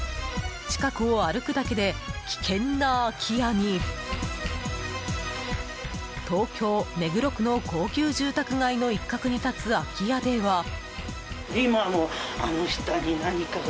近くを歩くだけで危険な空き家に東京・目黒区の高級住宅街の一角に立つ空き家では。